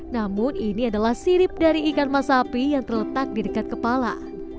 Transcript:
namun ini adalah sirip dari ikan masapi yang terletak di dekat kepala